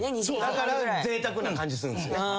だからぜいたくな感じするんすね。